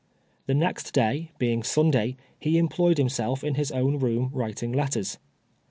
The next daj, being Sunday, he empk^yed himself in his own room writing letters.